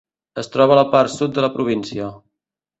Es troba a la part sud de la província.